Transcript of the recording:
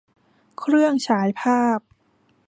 เครื่องฉายภาพ